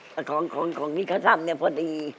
แต่ของที่เขาทำเนี่ยพอดี